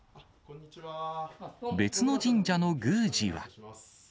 別の神社の宮司は。